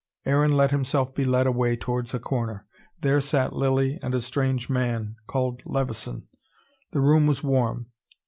Aaron let himself be led away towards a corner. There sat Lilly and a strange man: called Levison. The room was warm.